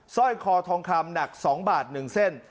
สร้อยคอทองคำหนัก๒บาท๑เส้น